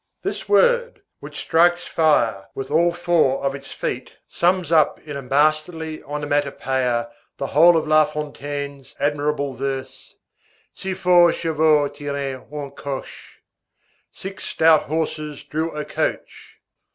This word, which strikes fire with all four of its feet, sums up in a masterly onomatopœia the whole of La Fontaine's admirable verse:— Six forts chevaux tiraient un coche. Six stout horses drew a coach.